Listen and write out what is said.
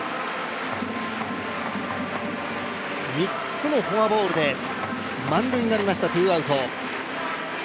３つのフォアボールで満塁になりました、ツーアウト。